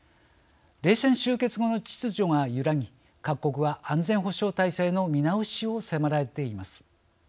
冷戦終結後の秩序が揺らぎ各国は安全保障体制の見直しを迫られています。